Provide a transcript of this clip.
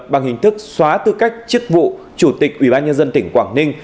bằng hình thức xóa tư cách chức vụ chủ tịch ủy ban nhân dân tỉnh quảng ninh